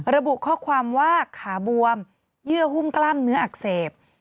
ระบุข้อความว่าขาบวมเยื่อหุ้มกล้ามเนื้ออักเสบ